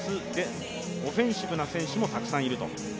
オフェンシブな選手もたくさんいると。